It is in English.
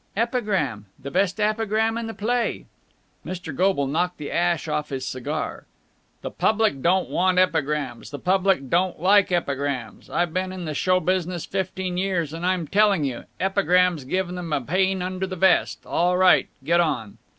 "Epigram. The best epigram in the play." Mr. Goble knocked the ash off his cigar. "The public don't want epigrams. The public don't like epigrams. I've been in the show business fifteen years, and I'm telling you! Epigrams give them a pain under the vest. All right, get on."